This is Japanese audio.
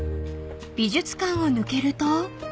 ［美術館を抜けると］